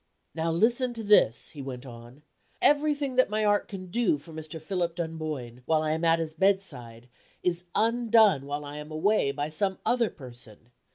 "Now, listen to this," he went on. "Everything that my art can do for Mr. Philip Dunboyne, while I am at his bedside, is undone while I am away by some other person.